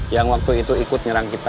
yang waktu itu ikut nyerang kita